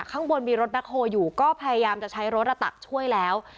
ข้างบนมีรถแคคโฮลอยู่ก็พยายามจะใช้รถตักช่วยแล้ว